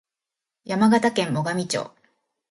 山形県最上町